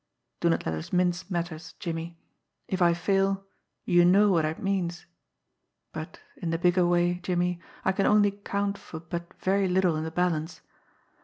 Do not let us mince matters, Jimmie. If I fail, you know what it means. But, in the bigger way, Jimmie, I can only count for but very little in the balance.